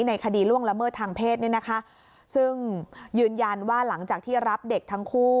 คดีล่วงละเมิดทางเพศเนี่ยนะคะซึ่งยืนยันว่าหลังจากที่รับเด็กทั้งคู่